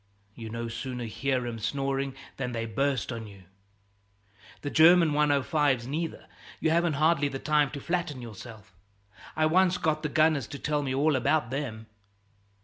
You no sooner hear em snoring than they burst on you. "The German 105's, neither, you haven't hardly the time to flatten yourself. I once got the gunners to tell me all about them."